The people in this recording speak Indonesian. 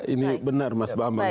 ini benar mas bama